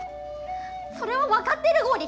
「それは分かってるゴリ」。